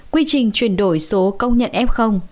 quy trình chuyển đổi số công nhận f